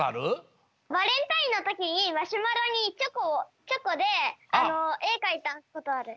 バレンタインのときにマシュマロにチョコでえかいたことある。